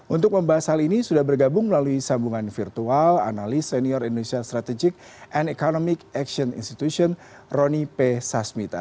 untuk membahas hal ini sudah bergabung melalui sambungan virtual analis senior indonesia strategic and economic action institution rony p sasmita